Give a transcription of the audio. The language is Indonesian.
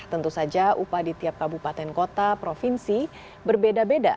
tentu saja upah di tiap kabupaten kota provinsi berbeda beda